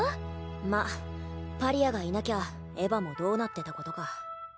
まっパリアがいなきゃエヴァもどうなってた事か。